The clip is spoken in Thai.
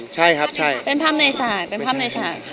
ใช่ครับเป็นภาพในฉาก